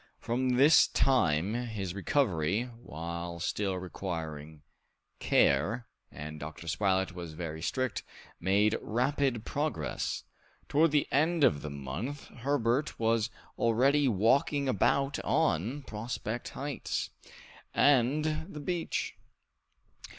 From this time his recovery, while still requiring care, and Dr. Spilett was very strict, made rapid progress. Towards the end of the month, Herbert was already walking about on Prospect Heights, and the beach.